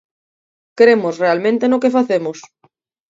Cremos realmente no que facemos.